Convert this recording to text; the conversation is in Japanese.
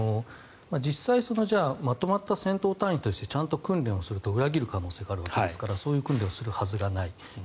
実際、まとまった戦闘単位としてちゃんと訓練をすると裏切る可能性があるわけですからそういう訓練をするはずがない。